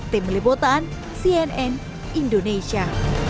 tim lipotan cnn indonesia